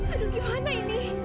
aduh gimana ini